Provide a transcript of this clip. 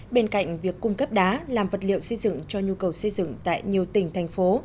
bên cạnh việc cung cấp đá làm vật liệu xây dựng cho nhu cầu xây dựng tại nhiều tỉnh thành phố